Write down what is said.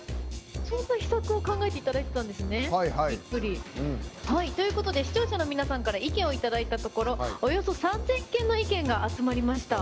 そんな秘策を考えていただいてたんですね。ということで、視聴者の皆さんから意見をいただいたところおよそ３０００件の意見が集まりました。